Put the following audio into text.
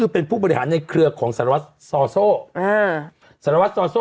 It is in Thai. เป็นผู้บริหารในเครือของสรวจสอโซอ่าสรวจสอโซ